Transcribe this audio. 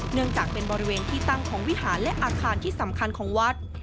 เนื่องจากเป็นบริเวณที่ตั้งของวิหารและอาคารที่สำคัญของวัด